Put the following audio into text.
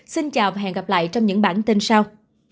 xin chào và hẹn gặp lại trong những bản tin sau